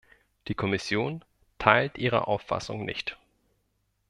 Die Kommission teilt Ihre Auffassung nicht.